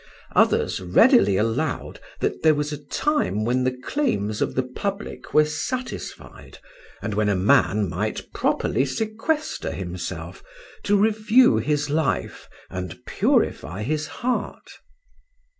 Others readily allowed that there was a time when the claims of the public were satisfied, and when a man might properly sequester himself, to review his life and purify his heart.